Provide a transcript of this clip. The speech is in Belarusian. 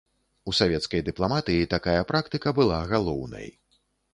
У савецкай дыпламатыі такая практыка была галоўнай.